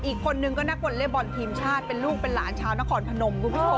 อีกคนนึงก็นักวอลเล่บอลทีมชาติเป็นลูกเป็นหลานชาวนครพนมคุณผู้ชม